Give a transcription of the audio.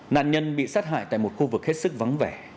nạn nhân bị sát hại tại một khu vực hết sức vắng vẻ